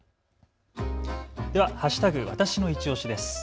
わたしのいちオシです。